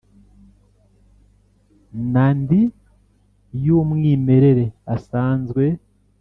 nandi yu mwimwerere asanzwe